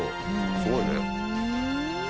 すごいね。